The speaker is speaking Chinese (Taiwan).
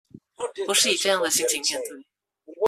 我是以這樣的心情面對